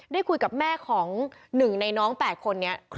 ได้คุยกับแม่ของหนึ่งในน้อง๘คน